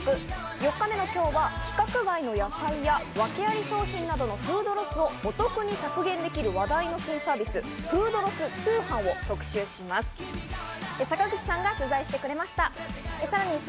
４日目の今日は規格外の野菜や、訳あり商品などのフードロスをお得に削減できる話題の新サービス、フードロス通販を特集します。